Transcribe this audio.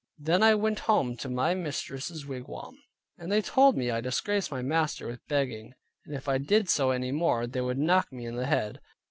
Then I went home to my mistress's wigwam; and they told me I disgraced my master with begging, and if I did so any more, they would knock me in the head.